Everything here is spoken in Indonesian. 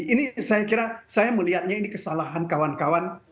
ini saya kira saya melihatnya ini kesalahan kawan kawan